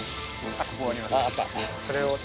ここにあります。